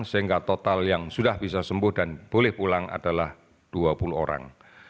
sehingga total yang sudah bisa sembuh dan boleh pulang adalah dua puluh orang